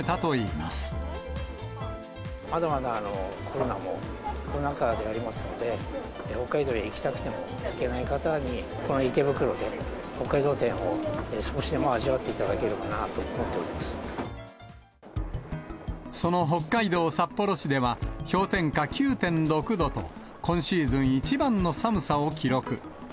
まだまだコロナも、コロナ禍でありますので、北海道に行きたくても行けない方に、この池袋で北海道展を少しでも味わっていただければなと思っておその北海道札幌市では、氷点下９．６度と、今シーズン一番の寒さを記録。